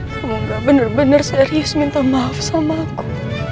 kamu gak bener bener serius minta maaf sama aku